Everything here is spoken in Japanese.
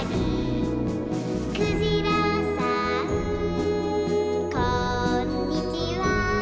「くじらさんこんにちは！」